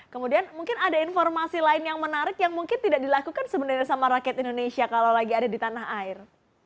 kemudian mungkin ada informasi lain yang menarik yang mungkin tidak dilakukan sebenarnya sama rakyat indonesia kalau lagi ada di tanah air